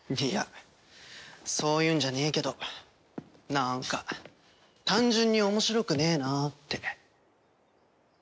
いやそういうんじゃねえけどなんか単純に面白くねえなって。